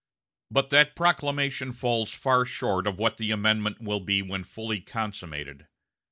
But that proclamation falls far short of what the amendment will be when fully consummated.